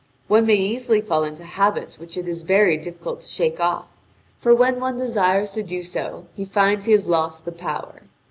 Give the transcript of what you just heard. One may easily fall into habits which it is very difficult to shake off, for when one desires to do so, he finds he has lost the power.